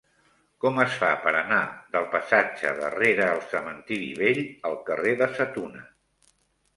Com es fa per anar del passatge de Rere el Cementiri Vell al carrer de Sa Tuna?